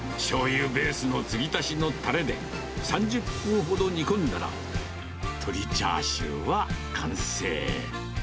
しょうゆベースの継ぎ足しのたれで、３０分ほど煮込んだら、鶏チャーシューは完成。